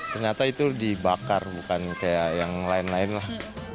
ternyata itu dibakar bukan kayak yang lain lain lah